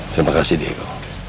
terima kasih diego